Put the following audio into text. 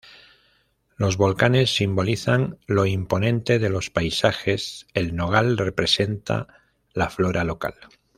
Los volcanes simbolizan lo imponente de los paisajes; el nogal representa la flora local.